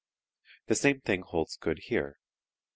The same thing holds good here.